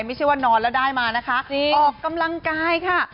ไม่ใช่ว่านอนแล้วได้มานะคะออกกำลังกายค่ะ